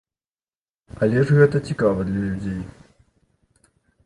Але ж гэта цікава для людзей.